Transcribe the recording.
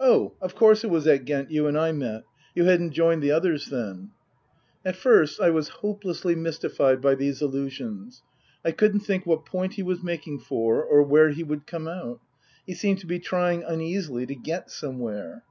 Oh of course it was at Ghent you and I met. You hadn't joined the others then." 184 Book II : Her Book 185 At first I was hopelessly mystified by these allusions. I couldn't think what point he was making for or where he would come out. He seemed to be trying uneasily to get somewhere.